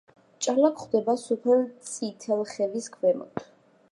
ჭალა გვხვდება სოფელ წითელხევის ქვემოთ.